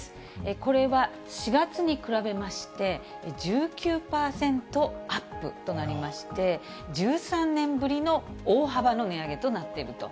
これは４月に比べまして、１９％アップとなりまして、１３年ぶりの大幅の値上げとなっていると。